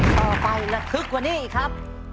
ต่อไประทึกกว่านี้อีกครับ